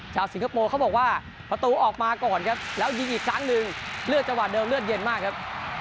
สิงคโปร์เขาบอกว่าประตูออกมาก่อนครับแล้วยิงอีกครั้งหนึ่งเลือกจังหวะเดิมเลือดเย็นมากครับ